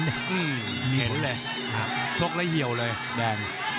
นี่เหม็นเลยชกแล้วเหี่ยวเลยแดง